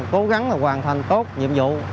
cố gắng hoàn thành tốt nhiệm vụ